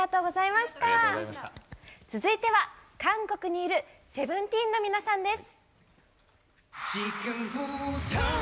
続いては韓国にいるＳＥＶＥＮＴＥＥＮの皆さんです。